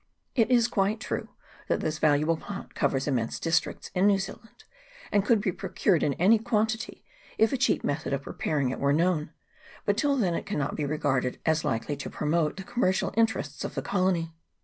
It is quite true that this valuable plant covers immense dis tricts in New Zealand, and could be procured in any quantity, if a cheap method of preparing it were known ; but till then it cannot be regarded as likely to promote the commercial interests of the colony.